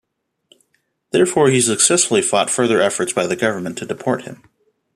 Thereafter he successfully fought further efforts by the government to deport him.